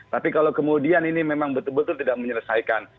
tapi kalau kemudian ini memang betul betul tidak menyelesaikan